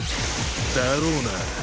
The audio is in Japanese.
だろうな。